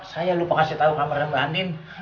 saya lupa kasih tahu kembar mbak andin